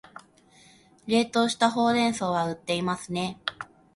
冷凍したほうれん草は売っていますね